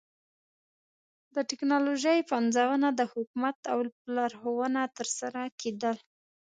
د ټکنالوژۍ پنځونه د حکومت په لارښوونه ترسره کېدل.